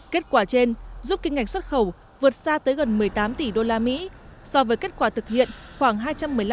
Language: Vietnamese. kết quả trên giúp kim ngạch xuất khẩu vượt xa tới gần một mươi tám tỷ usd so với kết quả thực hiện khoảng hai trăm một mươi năm tỷ usd của cả năm hai nghìn một mươi bảy